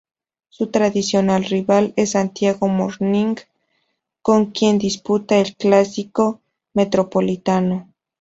Su tradicional rival es Santiago Morning, con quien disputa el "Clásico Metropolitano".